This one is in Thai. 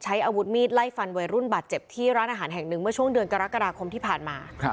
อาวุธมีดไล่ฟันวัยรุ่นบาดเจ็บที่ร้านอาหารแห่งหนึ่งเมื่อช่วงเดือนกรกฎาคมที่ผ่านมา